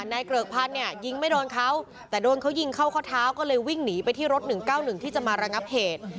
เกริกพันธ์เนี่ยยิงไม่โดนเขาแต่โดนเขายิงเข้าข้อเท้าก็เลยวิ่งหนีไปที่รถ๑๙๑ที่จะมาระงับเหตุ